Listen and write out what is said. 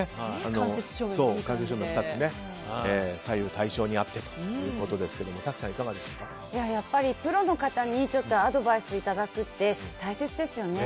間接照明が２つ左右対称にあってということですけどプロの方にアドバイスをいただくって大切ですよね。